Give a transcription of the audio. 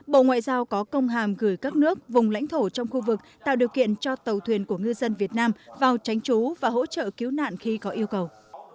bộ ngoại giao có công hàm gửi các nước vùng lãnh thổ trong khu vực tạo điều kiện cho tàu thuyền của ngư dân việt nam vào tránh trú và hỗ trợ cứu nạn khi có yêu cầu